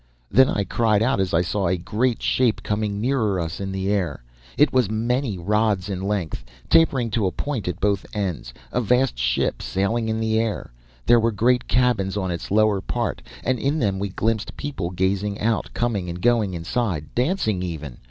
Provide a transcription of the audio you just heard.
Then I cried out as I saw a great shape coming nearer us in the air. It was many rods in length, tapering to a point at both ends, a vast ship sailing in the air! There were great cabins on its lower part and in them we glimpsed people gazing out, coming and going inside, dancing even!